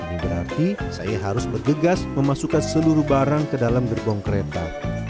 ini berarti saya harus bergegas memasukkan seluruh barang ke dalam gerbong kereta